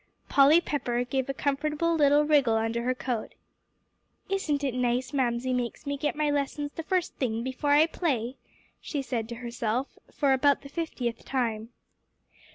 Polly Pepper gave a comfortable little wriggle under her coat. "Isn't it nice Mamsie makes me get my lessons the first thing, before I play!" she said to herself for about the fiftieth time.